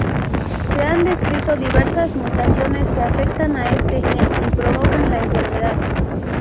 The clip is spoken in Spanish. Se han descrito diversas mutaciones que afectan a este gen y provocan la enfermedad.